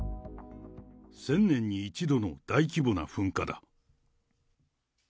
１０００年に１度の大規模な噴火だ。